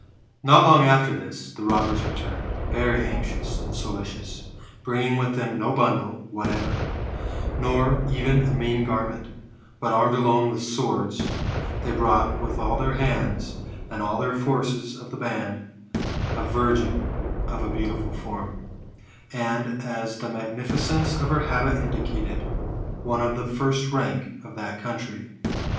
Not long after this, the robbers returned, very anxious and solicitous, bringing with them no bundle whatever, nor even a mean garment, but armed alone with swords, they brought, with all their hands, and with all the forces of their band, a virgin of ^ beautiful form; and, as the magnificence of her habit 64 THE METAMOltPHOSIS, OR indicated, one of the first nmk of that country.